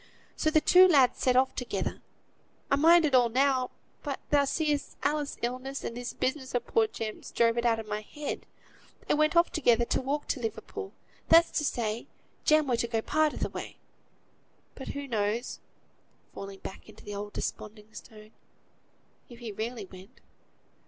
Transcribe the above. So the two lads set off together. I mind it all now; but, thou seest, Alice's illness, and this business of poor Jem's, drove it out of my head; they went off together, to walk to Liverpool; that's to say, Jem were to go a part o' th' way. But, who knows" (falling back into the old desponding tone) "if he really went?